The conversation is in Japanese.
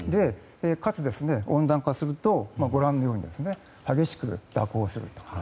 かつ温暖化するとご覧のように激しく蛇行すると。